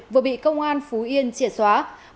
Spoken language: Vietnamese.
vừa bị công an phú yên triệt xóa